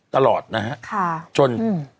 ตลอดนะฮะจน